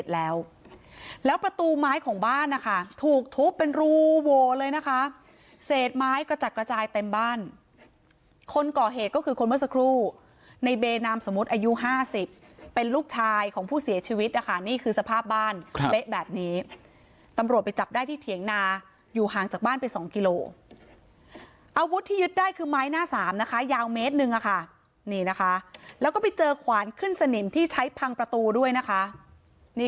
๑๗แล้วแล้วประตูไม้ของบ้านนะคะถูกทุบเป็นรูโวเลยนะคะเศษไม้กระจัดกระจายเต็มบ้านคนก่อเหตุก็คือคนเมื่อสักครู่ในเบนามสมมติอายุ๕๐เป็นลูกชายของผู้เสียชีวิตอ่ะค่ะนี่คือสภาพบ้านเละแบบนี้ตำรวจไปจับได้ที่เถียงนาอยู่ห่างจากบ้านไปสองกิโลอาวุธที่ยึดได้คือไม้หน้าสามนะคะยาวเมตรหนึ่งอ่ะค่ะนี่